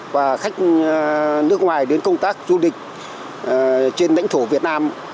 và khách nước ngoài đến công tác du lịch trên đánh thổ việt nam